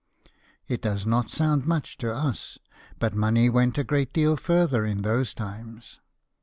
It does not sound much to us, but money went a great deal further in those times.